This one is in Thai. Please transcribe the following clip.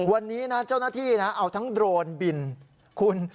วันนี้นะเจ้าหน้าที่นะเอาทั้งโดรนบินคุณ